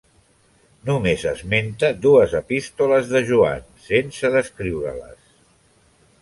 Només esmenta dues epístoles de Joan, sense descriure-les.